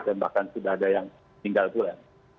dan bahkan sudah ada yang tinggal bulan